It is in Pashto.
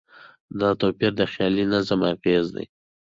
دا توپیر د خیالي نظم اغېز دی.